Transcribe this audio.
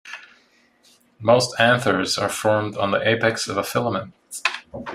Most anthers are formed on the apex of a filament.